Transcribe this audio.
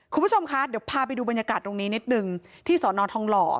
คุณผู้ชมคะเดี๋ยวพาไปดูบรรยากาศตรงนี้นิดนึงที่สอนอทองหล่อ